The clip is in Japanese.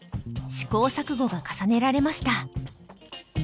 試行錯誤が重ねられました。